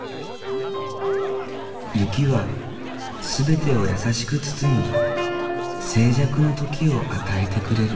雪は全てを優しく包み静寂の時を与えてくれる。